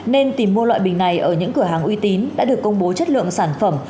nên tìm mua loại bình này ở những cửa hàng uy tín đã được công bố chất lượng sản phẩm